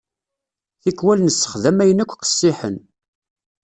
Tikwal nessexdam ayen akk qessiḥen.